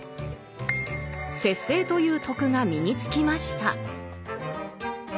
節制という「徳」が身につきました。